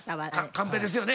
カンペですよね